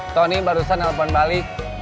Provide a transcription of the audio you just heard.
tony barusan telepon balik